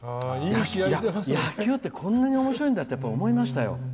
野球って、こんなにおもしろいんだって思いましたよ。